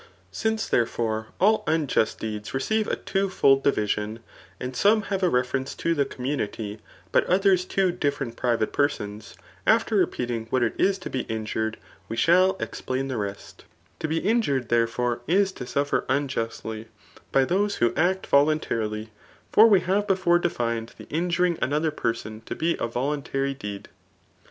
Knee, therefore^ all unjuA deeds receive a t#oAiId ^Bfision, and some have a reference to the community, imt others to diSereni private persons, after repeadng what it is to be injured, we shaill explain the rest* To be tajured, therefore, is to satkt nnjusdy, by those who aec vohmtarily ; for we have before defined the injuring another person to be a vohintary deed.